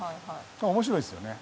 面白いですよね。